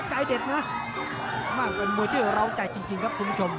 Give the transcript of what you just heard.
ใจเด็ดนะเป็นมวยที่เราใจจริงครับคุณผู้ชม